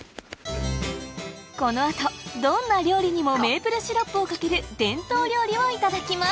この後どんな料理にもメープルシロップをかける伝統料理をいただきます